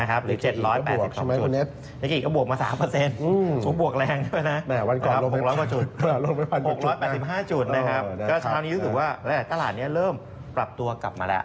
เช้านี้รู้สึกว่าตลาดนี้เริ่มปรับตัวกลับมาแล้ว